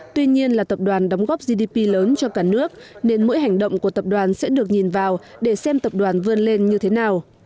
tuy nhiên là tập đoàn đóng góp gdp lớn cho cả nước nên mỗi hành động của tập đoàn sẽ được nhìn vào để xem tập đoàn vươn lên như thế nào